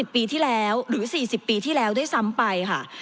ปีที่แล้วหรือ๔๐ปีที่แล้วด้วยซ้ำไปค่ะ